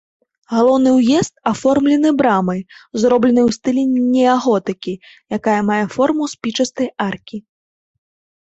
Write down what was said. Галоўны ўезд аформлены брамай, зробленай у стылі неаготыкі, якая мае форму спічастай аркі.